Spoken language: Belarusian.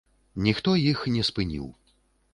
Ніхто іх не спыніў.